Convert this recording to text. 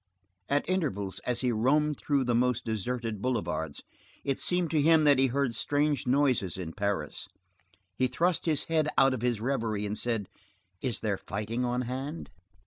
At intervals, as he roamed through the most deserted boulevards, it seemed to him that he heard strange noises in Paris. He thrust his head out of his reverie and said: "Is there fighting on hand?"